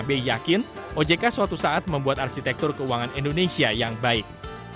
pbi yakin ojk suatu saat membuat arsitektur keuangan indonesia yang baik